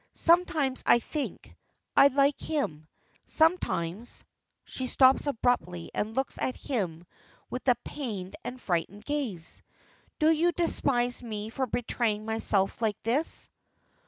Sometimes I think I like him, sometimes " She stops abruptly and looks at him with a pained and frightened gaze. "Do you despise me for betraying myself like this?"